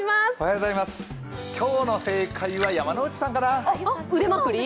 今日の正解は山内さんかな。